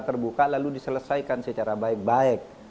terbuka lalu diselesaikan secara baik baik